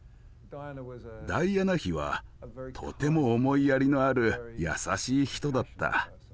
ダイアナ妃はとても思いやりのある優しい人だった。